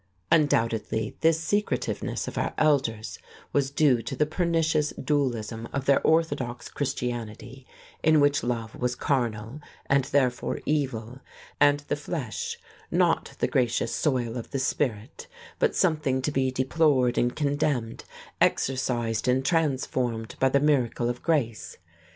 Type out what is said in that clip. Undoubtedly this secretiveness of our elders was due to the pernicious dualism of their orthodox Christianity, in which love was carnal and therefore evil, and the flesh not the gracious soil of the spirit, but something to be deplored and condemned, exorcised and transformed by the miracle of grace.